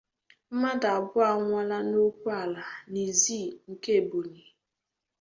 Mmadụ abụọ anwụọla n’okwu ala n’Izii nke Ebonyi